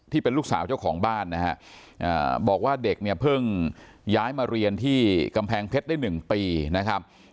ที่เป็นลูกสาวเจ้าของบ้านนะฮะบอกว่าเด็กเนี่ยเพิ่งย้ายมาเรียนที่กำแพงเพชรได้๑ปีนะครับ